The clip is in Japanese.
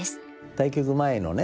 対局前のね